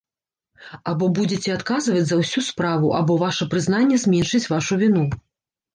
Або будзеце адказваць за ўсю справу, або ваша прызнанне зменшыць вашу віну.